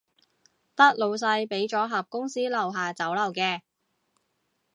得老細畀咗盒公司樓下酒樓嘅